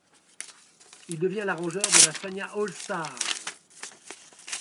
Il devient l'arrangeur de la Fania All Stars.